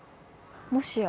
もしや。